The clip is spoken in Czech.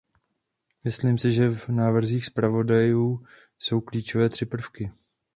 Myslím si, že v návrzích zpravodajů jsou klíčové tři prvky.